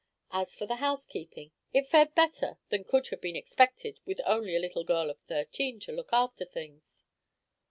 As for the housekeeping, it fared better than could have been expected with only a little girl of thirteen to look after things.